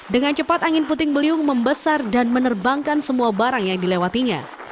dengan cepat angin puting beliung membesar dan menerbangkan semua barang yang dilewatinya